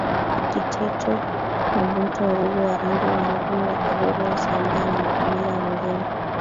Kiteto Wabantu Wagogo Warangi Wanguu Wakaguru Wasambaa na makabila mengine